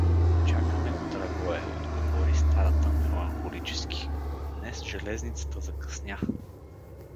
— Чакаме го, Драгое — отговори старата меланхолически; — днес железницата закъсня.